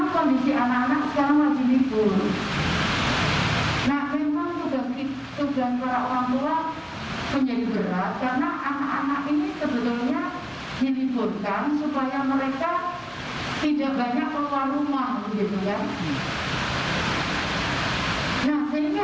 dijeliturkan supaya mereka tidak banyak keluar rumah